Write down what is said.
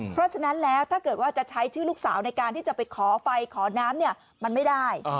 เพราะฉะนั้นแล้วถ้าเกิดว่าจะใช้ชื่อลูกสาวในการที่จะไปขอไฟขอน้ำเนี่ยมันไม่ได้